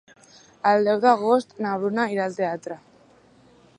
El deu d'agost na Bruna irà al teatre.